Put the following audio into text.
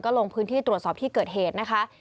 ลงพื้นที่ตรวจสอบที่เกิดเหตุนะคะ